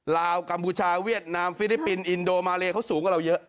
ลาวกัมพูชาเวียดนามฟิลิปปินส์อินโดมาเลเขาสูงกว่าเราเยอะ